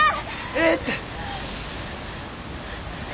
ええって。